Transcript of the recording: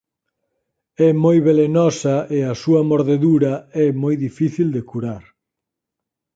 É moi velenosa e a súa mordedura é moi difícil de curar.